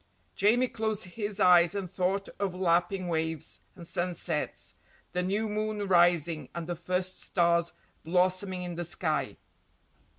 Jamie closed his eyes and thought of lapping waves, and sunsets, the new moon rising and the first stars blossoming in the sky.